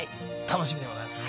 楽しみでございますね。